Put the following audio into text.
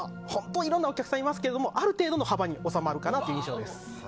いろんなお客さんがいますけどある程度の幅に収まる印象です。